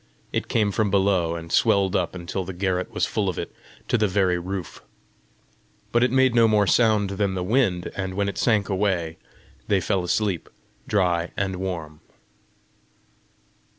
It came from below, and swelled up until the garret was full of it to the very roof. But it made no more sound than the wind, and when it sank away, they fell asleep dry and warm.